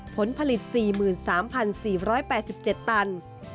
ผลผลิต๔๓๔๘๗ตัน